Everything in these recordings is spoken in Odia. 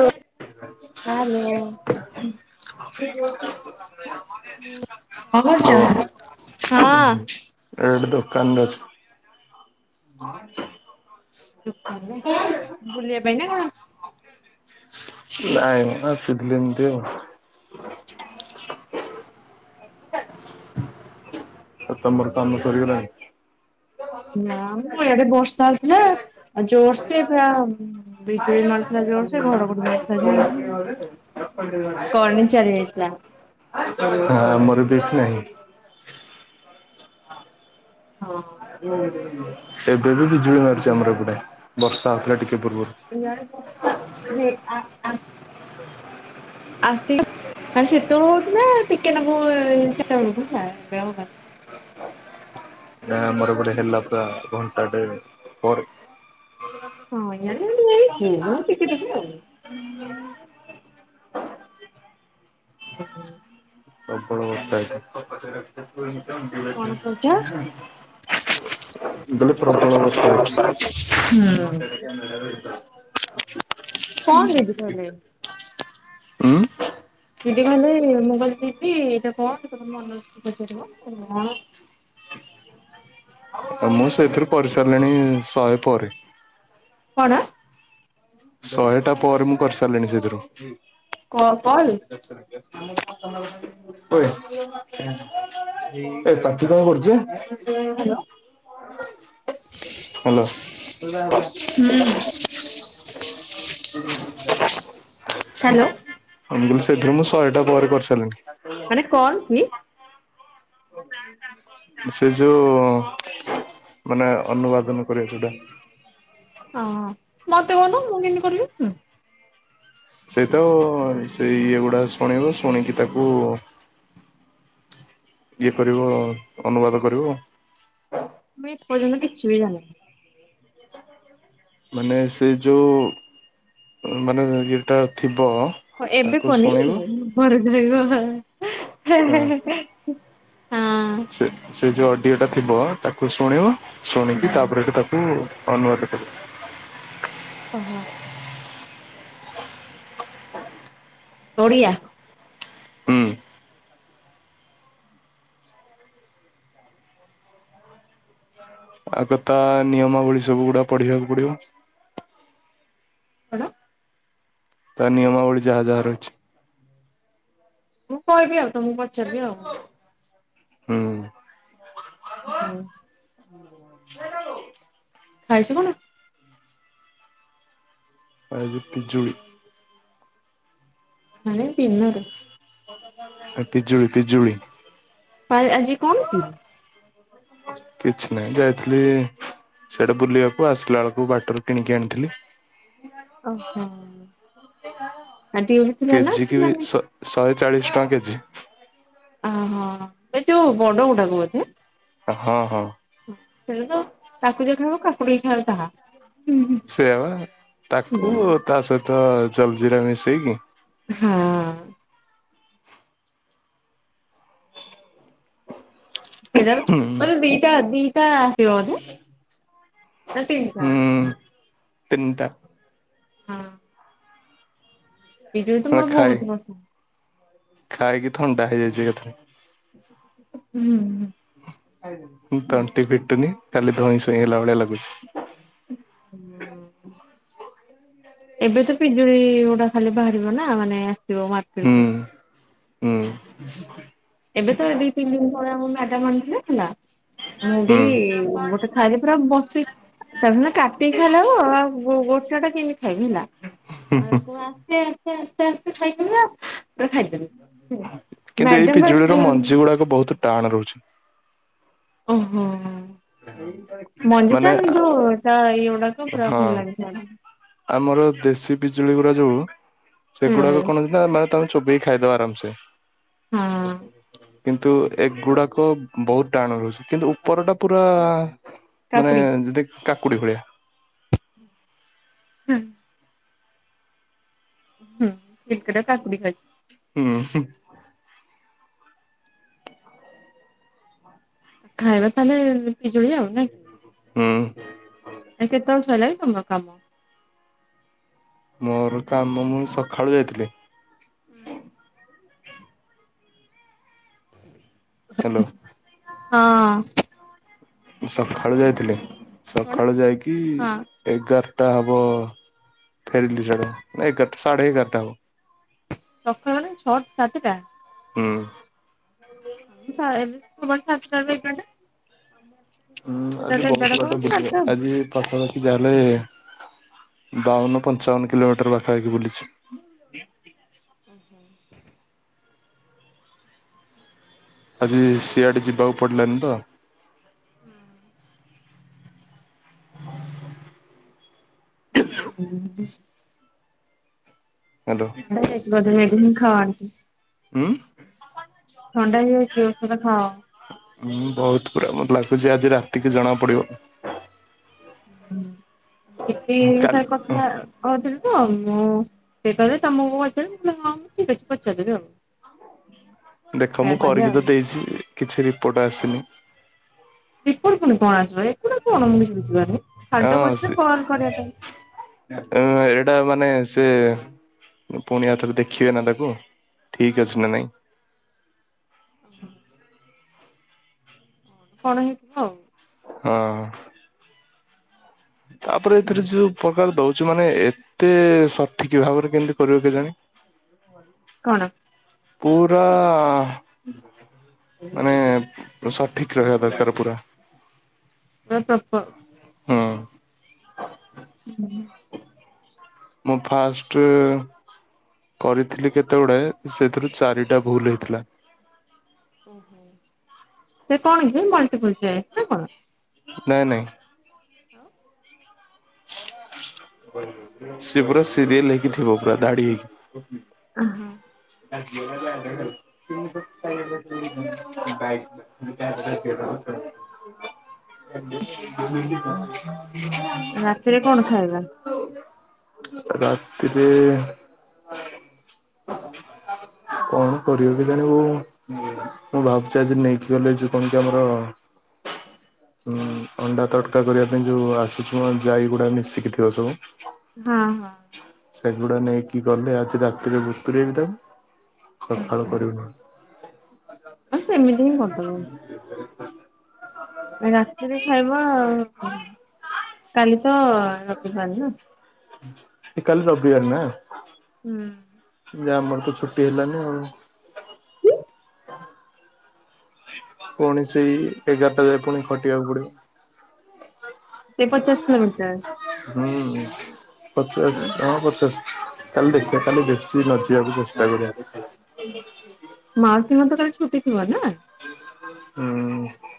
ଓ ହାଲୋ। ହାଲୋ। ହଁ। ଏଇଠି ଦୋକାନରେ ଅଛି। ହଁ ତ। ଦୋକାନରେ କଣ ବୁଲିଆ ପାଇଁ ନା କଣ? ନାଇଁ ଆସିଥିଲି ଏମିତି ଆଉ। ଆଉ ତମର କାମ ସରିଗଲାଣି? ନା ମ ଇଆଡେ ବର୍ଷା ହଉଥିଲା ଜୋରସେ ପୁରା ବିଜୁଳି ମାରୁଥିଲା ଜୋରସେ ସେ ଘଡ଼ ଘଡି ମାରୁଥିଲା ଜୋରସେ କରେଣ୍ଟ ଚାଲି ଯାଇଥିଲା। ନା ଆମର ବି ଏଠି ନାହିଁ। ହଁ। ଏବେ ବି ବିଜୁଳି ମାରୁଚି ଆମର ଏପଟେ ବର୍ଷା ହଉଥିଲା ଟିକେ ପୂର୍ବରୁ। ଇଆଡେ ବର୍ଷା ହେ ଆ ଆସ୍ ଆସିକି ମାନେ ସେତେ ବେଳୁ ହଉଥିଲା ଟିକେନାକୁ ଚାରିଟା ବେଳକୁ ହେଲା ଏବେ ଆଉ ନାଇଁ। ନା ଆମର ଏପଟେ ହେଲା ପୁରା ଘଣ୍ଟାଟେ ପରେ। ହଁ ଇଆଡ଼େ କିନ୍ତୁ ହେଇଚି ସେଇ ଟିକେ ଟିକେ ଆଉ। [inaudible] [inaudible] ପ୍ରଳବ ବର୍ଷା କଣ ହେଇଚି। କହୁଛ? [inaudible] ମୁଁ କଇଲି ପ୍ରବଳ ବର୍ଷା ହେଇଚି। କଣ ରେଡ଼ିକଲେ? ଦିଦି କହିଲେ ମୁଁ କିହିଲି ଦିଦି ଏଇଟା କଣ ସିଏ କଇଲେ ମନୋଜକୁ ପଚାରିବ ସେଟା କଣ। ମୁଁ ସେଇଥିରୁ କରିସାରିଲିଣି ଶହେ ପରେ। କଣ? ଶହେଟା ପରେ ମୁଁ କରିସାରିଲିଣି ସେଇଥିରୁ। କ କଲ ଏ ପାଟି କଣ କରୁଚୁ ବେ। ହାଲୋ ହୁଁ। ହ୍ୟାଲୋ ମୁଁ [inaudible] [inaudible] ସେଥିରୁ ହ୍ୟାଲୋ ମୁଁ ଶହେଟା ପରେ କରିସାରିଲିନି। ମାନେ କଣ କି? ସେ ଯୋଉ ମାନେ ଅନୁବାଦନ କରିବା ଯୋଉ ଟା। ଓହୋ। ମତେ କୋହୁନ ମୁଁ କେମିତି କରିବି? ସିଏତ ସେଇ ଇଏ ଗୁଡା ଶୁଣିବ ଶୁଣିକି ତାକୁ ଇଏ କରିବ ଅନୁବାଦ କରିବ। ମୁଁ ଏପର୍ଯ୍ୟନ୍ତ କିଛି ବି ଜାଣିନି। ମାନେ ସେ ଯୋଉ ଉଁ ମାନେ ଇଏଟା ଥିବ ହଁ ଏବେ ତାକୁ ପନି ଶୁଣିବ [unintelligible] ହେ ହଁ ହେ ହେ। ହଁ। ସେ ସେ ଯୋଉ ଅଡିଓ ଟା ଥିବ ତାକୁ ଶୁଣିବ ଶୁଣିକି ତାପରେ ତାକୁ ଅନୁବାଦ କରିବ। ଓହୋ ଆଛ। ଓଡ଼ିଆ। ହୁଁ ଆଗ ତା ନିୟମାବଳି ସବୁ ଗୁଡା ପଢିବାକୁ ପଡିବ। ହ୍ୟାଲୋ। ତା ନିୟମାବଳୀ ଯାହା ଯାହା ରହିଛି। ମୁଁ କହିବି ଆଉ ତମକୁ ପଚାରିବି ଆଉ। ହୁଁ। ହୁଁ। ଖାଇଛ କଣ? ଆଜି ପିଜୁଳି। ମାନେ ଦିନର। [unintelligible] ଆ ପିଜୁଳି, ପିଜୁଳି। [unintelligible] ଆଜି କଣ? [unintelligible] କିଛି ନାହିଁ ଯାଇଥିଲି ସେଇଟା ବୁଲିବାକୁ ଆସିଲା ବେଳକୁ ବାଟରୁ କିଣିକି ଆଣିଥିଲି। ଓହୋ ଆଜି ଥିଲା ନା କେଜି କି ବି ଥିଲାନି ଶ ଶହେ ଚାଳିଶ ଟଙ୍କା କେଜି। ଅ ହ, ଏ ଯୋଉ ବଡ ଗୁଡାକ ବୋଧେ। ହଁ ହଁ। ହଁ [unintelligible] ତ ତାକୁ ଯେ ଖାଇବ, କାକୁଡି ଖାଇବ ତାହା। ହୁଁ ସେଇଆ ବା। ହୁଁ। ତାକୁ ତା ସହିତ ଜଲ ଜିରା ମିଶେଇକି ହଁ। ସେଇ ଟା ତ ହୁଁ [unintelligible] ଦିଟା ଦିଟା ଆସିବ ବୋଧେ ନା ତିନଟା? ତିନଟା। ହଁ। ପିଜୁଳି ତ ଆମେ ମର ଖାଇ ବହୁତ ପସନ୍ଦ। ଖାଇକି ଥଣ୍ଡା ହେଇଯାଇଛି ଏକେଥରେ। ହୁଁ ହୁଁ। ତଣ୍ଟି ଫିଟୁନି। ଖାଲି ଧଇଁ ସଇଁ ହେଲା ଭଳିଆ ଲାଗୁଛି। ହୁଁ। ଏବେ ତ ପିଜୁଳି ଗୁରା ଖାଲି ବାହାରିବ ନା ମାନେ ଆସିବ ମାର୍କେଟ ହୁଁ କୁ ହୁଁ ଏବେ ତ ଦି ତିନି ଦିନ ତଳେ ଆମ ମାଡାମ ହେଲା ମୁଁ ବି ହୁଁ ଗୋଟେ ଖାଇ ପୁରା ବସି ତାକୁ କାଟିିକି ଖାଇଲେ ହବ ଆଉ ଗୋଟା ଟା କେମିତି ଖାଇବି ହେଲା ଆକୁ ଆସ୍ତେ ଆସ୍ତେ ଆସ୍ତେ ଆସ୍ତେ ଖାଇଦେବେ ଆଉ ଖାଇଦେବେ କିନ୍ତୁ ଏଇ ମ୍ୟାଡାମ ପିଜୁଳିର ବା ମଞ୍ଜି ଗୁଡାକ ବହୁତ ଟାଣ ରହୁଛି ଓହୋ ସେଇ ମଞ୍ଜି ଟା କିନ୍ତୁ ଏଇ ଗୁଡାକ ପୁରା ହଁ ଭଲ ଲାଗିଥାହାନ୍ତା ଆମର ଦେଶୀ ବିିଜୁଳି ଗୁଡା ଯୋଉ ହୁଁ ସେଗୁଡାକ କଣ ଅଛି ନା ମାନେ ତମେ ଚୋବେଇ କି ଖାଇଦବ ଆରାମ ସେ ହଁ କିନ୍ତୁ ଏ ଗୁଡାକ ବହୁତ ଟାଣ ରହୁଛି କିନ୍ତୁ ଉପର ଟା ପୁରା ମାନେ କାକୁଡି ଯଦି କାକୁଡି ଭଳିଆ ହୁଁ ହୁଁ ସେ କେଟା କାକୁଡି ଖାଇଛି ହୁଁ ଖାଇବା ତାହେଲେ ପିଜୁଳି ଆଉ ନା କି ହୁଁ ଆ କେତେ ବର୍ଷ ହେଲାଣି ତମର କାମ ମୋର କାମ ମୁଁ ସକାଳୁ ଯାଇଥିଲି ହୁଁ ହ୍ୟାଲୋ ହଁ ସକାଳୁ ଯାଇଥିଲି କଣ ସକାଳୁ ଯାଇକି ହଁ। ଏଗାରଟା ହବ ଫେରିଲି ସିଆଡେ ନା ଏଗାରଟା ସାଢ଼େ ଏଗାରଟା ହବ ସକାଳ ମାନେ ଛଅଟା ସାତଟା ହୁଁ [unintelligible] ଆମର ହୁଁ ଆଜି ବହୁତ ବାଟ ବୁଲିବ ଆଜି ପାଖାପାଖି ଯାହାହେଲେ ବାଉନ ପଞ୍ଚାବନ କିଲୋମିଟର ପାଖାପାଖି ବୁଲିଛି ଓ ହୋ ଆଜି ସିଆଡେ ଯିବାକୁ ପଡିଲାନି ତ ହୁଁ ହୁଁ ହ୍ୟାଲୋ। ଖାେ ହିଁ ଖାନ୍ତି [inaudible] ଉଁ ଥଣ୍ଡା ହେଇଯାଉଛ ଔଷଧ ଖାଅ ହଁ ବହୁତ ପୁରା ମତେ ଲାଗୁଛି ଆଜି ରାତିକି ଜଣା ପଡିବ ହୁଁ ଏତିକି କାଲି ତାର କଥା କହୁଥିଲି ତ ମୁଁ ସେ କହିବି ତମକୁ ମୁଁ ଠିକ ଅଛି ପଚାରବି ଆଉ ଦେଖ ମୁଁ ସେୟା କହିଲେ କରିକି ଆଉ ତ ଦେଇଛି କିଛି ରିପୋର୍ଟ ଆସିନି ବଣ ପୁଣି କଣ ଆସିବ ଏକୁଣ କଣ ମୁଁ କିଛି ବୁଝିବାନି ଖାଯ୍ୟ କର କଲ କରିବା ପାଇଁ [inaudible] ଅ ଏଇଟା ମାନେ ସେ ପୁଣି ଆଉଥରେ ଦେଖିବେ ନା ତାକୁ ଠିକ୍ ଅଛି ନା ନାଇଁ କଣ ହେଇଥିବ ଆଉ ହଁ ତାପରେ ଏଥିରେ ହୁଁ। ଯୋଉ ପ୍ରକାର ଦଉଛି ମାନେ ଏତେ ସଠିକ ଭାବରେ କେମତି କରିବ କେଜାଣି। କଣ? ପୁରା ମାନେ ଠିକ ରହିବା ଦରକାର ପୁରା। [unintelligible] ହଁ। ହୁଁ। ମୁଁ ଫାଷ୍ଟ କରିଥିଲି କେତେ ଗୁଡ଼େ ସେଥିରୁ ଚାରିଟା ଭୁଲ ହେଇଥିଲା। ଓହୋ ସେ କଣ କି ମଲଟିପୁଲଚଏସ୍ ନା କଣ? ନାଇଁ, ନାଇଁ। ଆଉ। ସେ ପୁରା ସିରିଏଲ ହେଇକି ଥିବ ପୁରା ଦାଡି଼ ହେଇକି। ଅଁ, ହଁ। [inaudible] [inaudible] ରାତିରେ କଣ ଖାଇବା? [inaudible] ରାତିରେ କଣ କରିବ କେଜାଣି ବୋଉ? ମୁଁ ଭାବୁଛି ଆଜି ନେଇକି ଗଲେ ଜୀବନ ଟି ଆମର ହୁଁ ଅଣ୍ଡା ତଟକା କରିବା ପାଇଁ ଯୋଉ ଆସୁଛ ଯାଇଗୁଡ଼ା ମିଶିକି ଥିବ ସବୁ ହଁ, ହଁ। ସେଗୁଡା ନେଇକି ଗଲେ ଆଜି ରାତିରେ ବତୁରେଇ ବି ତାକୁ। ସକାଳେ କରିବୁନି। ଆଁ ସେମିତି ହିଁ କରିଦବ। ରାତିରେ ଖାଇବ ଆଉ କାଲି ତ ରବିବାର ନା। ହେ କାଲି ରବିବାର ନାଁ। ହୁଁ। ଯେ ଆମର ତ ଛୁଟି ହେଲାନି ଆଉ। ପୁଣି ସେଇ ଏଗାରଟା ଯାଏ ପୁଣି ଖଟିବାକୁ ପଡିବ। ସେ ପଚାଶ କିିଲୋମିଟର ହୁଁ ପଚାଶ, ହଁ ପଚାଶ। କାଲି ଦେଖିବା କାଲି ବେଶୀ ନ ଯିବାକୁ ଚେଷ୍ଟା କରିବା। ମାଉସୀଙ୍କର ତ କଲି ଛୁଟି ଥିବ ନାଁ? ହୁଁ।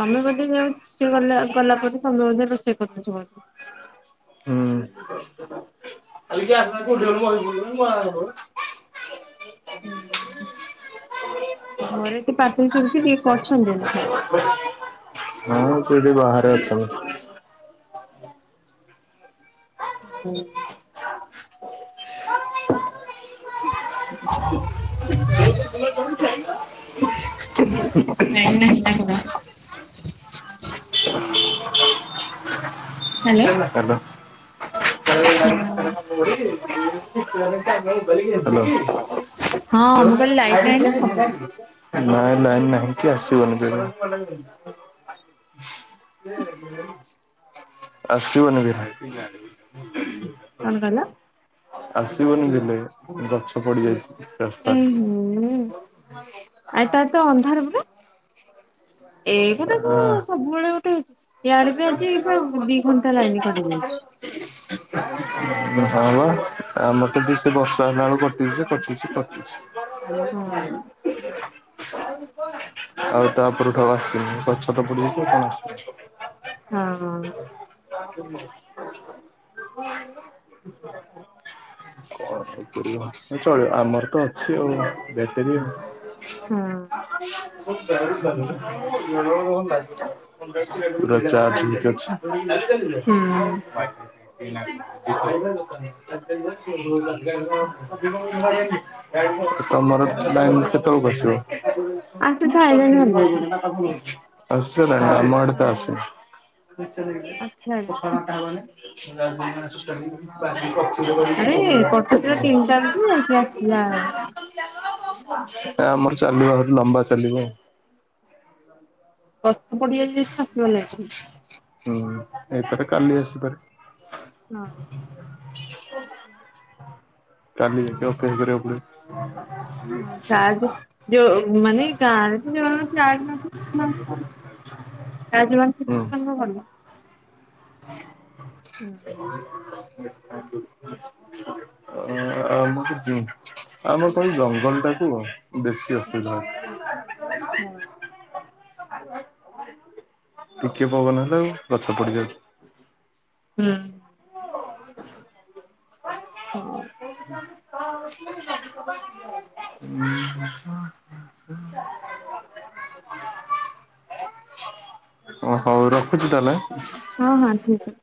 ତମେ ବୋଧେ ଯାଉ ଗଲେ ଗଲା ପରେ ତମେ ବୋଧେ ରୋଷେଇ କରୁଥିବନା। [unintelligible] ହୁଁ ଘରେ ଟି ପାଟି ସୁବୁଛି କି କିଏ ଅଛନ୍ତି ନା କଣ? ହଁ ସେଠି ବାହାରେ ଅଛନ୍ତି। [inaudible] [inaudible] [inaudible] [inaudible] ନାହଁ, ନାହଁ, ନାହିଁ। ହ୍ୟାଲୋ। ହାଲୋ। ଖ ଲାଗ ହାଲୋ। ହଁ ମୁଁ କହିଲି ଲାଇଟ ନାହିଁ ନା କଣ? ନାଇଁ ନାଇନ ନାହିଁକି ଆସିବନି ଆସିବନି ବି [inaudible] କଣ କହିଲ? ଆସିବନି ବଲେ ଗଛ ପଡିଯାଇଛି ଏଇ ରାସ୍ତାରେ ହୁଁ ଆଉ ତା ହେଲେ ଅନ୍ଧାର [inaudible] ଏଇ ଆ କଥା ମୁ ସବୁବେଳେ ଗୋଟେ ହେଇଛି ୟଆଡେ ବି ଆଜି ପୁରା ଦି ଘଣ୍ଟା ଲାଇନ କାଟି ଯାଇଛି। [inaudible] ହଁ ହ ଆମର ତ ବି ସେଇ ବର୍ଷା ହେଲା ବେଳୁ କଟିଛି କଟିଛି ହଁ କଟିଛି ଆଉ ତାପରେ ଆଉ ଆସିିନି ଗଛ ତ ପଡିଯାଇଛି କଣ ଆସିିବ ହଁ ହଁ [unintelligible] [unintelligible] ଚଳିବ ଆମର ତ ଅଛି ଆଉ ବଟେରୀ ଆଉ ହଁ ଗରମ ବହୁତ ଲାଗୁଛି ପୁରା ଚାର୍ଜ ହେଇକି ଅଛି। [inaudible] ହୁଁ। [inaudible] ତମର ଲାଇନ୍ କେତେବେଳ କୁ ଆସିବ? [inaudible] ଆସି ସାଇଲାଣି ଅଲରେଡି। ଆସିଚି ନା ଆମ ଆଡେ ତ ହଁ। ଆସିନି ଆସିଲାଣି [inaudible] [inaudible] ଆରେ କଟୁଥିଲା ତିନିଟାରେ ଯେ ଯାଇକି ଆସିଲା। ଆମର ଚାଲିବ ସେଠୁ ଲମ୍ବା ଚାଲିବ ଗଛ ପଡିଯାଇ ତ ଆସିବ ଲ ଏ ହୁଁ ଏପଟ କାଲି ଆସି ପାରେ ହଁ। [inaudible] କାଲି ଯେତକ ତିଆରି କରିବାକୁ ପଡିବ [inaudible] ହଁ ତାବି ଯ ମାନେ ଗାଁରେ ତ ଯ ଚାର୍ଜ ନଥିଲା [unintelligible] [unintelligible] ଆଉ ଆମ ଏପଟେ ଜଙ୍ଗଲ ଟାକୁ ବେଶୀ ଅସୁବିଧା ହଉଛି। ହଁ। ଟିକେ ପବନ ହେଲେ ଆଉ ଗଛ ପଡିଯାଉଚି ହୁଁ। ହଁ। [unintelligible] [unintelligible] ଓ ହୋଉ ରଖୁଚି ତାହାଲେ ଆଁ। ହଁ ହଁ ଠିକ୍ ଅଛି।